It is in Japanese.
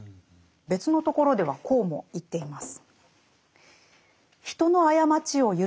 別の所ではこうも言っています。